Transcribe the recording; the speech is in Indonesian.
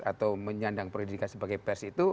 atau menyandang predikat sebagai pers itu